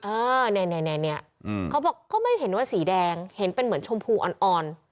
อ่าเนี่ยเขาบอกก็ไม่เห็นว่าสีแดงเห็นเป็นเหมือนชมพูอ่อน